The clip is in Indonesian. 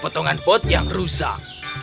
potongan pot yang rusak